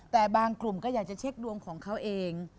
แต่บางกลุ่มก็อยากจะเช็คดวงของเขาเอง